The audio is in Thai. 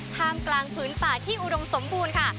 ท่ามกลางพื้นป่าที่อุดมสมบูรณ์ค่ะ